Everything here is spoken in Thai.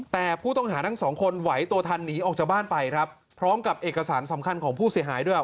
แต่ผู้ต้องหาทั้งสองคนไหวตัวทันหนีออกจากบ้านไปครับพร้อมกับเอกสารสำคัญของผู้เสียหายด้วย